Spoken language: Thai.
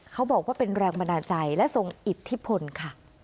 เขาบอกว่าเป็นแรงบันดาลใจและทรงอิทธิพลค่ะ